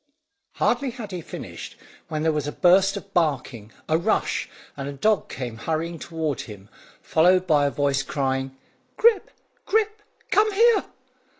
Hardly had he finished, when there was a burst of barking, a rush, and a dog came hurrying toward him, followed by a voice crying "Grip, Grip, come here!"